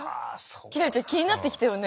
輝星ちゃん気になってきたよね